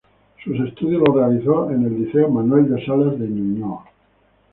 Sus estudios los realizó en Liceo Manuel de Salas de Ñuñoa.